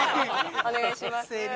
お願いします。